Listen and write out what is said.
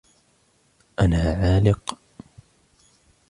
أنا عالق.